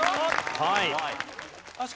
はい。